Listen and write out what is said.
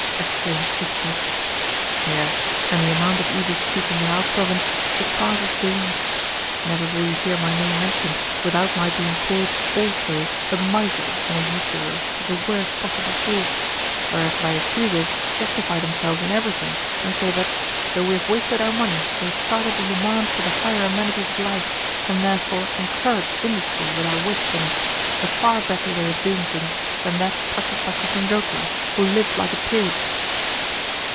exclaimed Chichikov. "Yes, and the amount of evil speaking in our province surpasses belief. Never will you hear my name mentioned without my being called also a miser and a usurer of the worst possible sort; whereas my accusers justify themselves in everything, and say that, 'though we have wasted our money, we have started a demand for the higher amenities of life, and therefore encouraged industry with our wastefulness, a far better way of doing things than that practised by Kostanzhoglo, who lives like a pig.